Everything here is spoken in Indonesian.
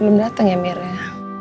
belum dateng ya mir ya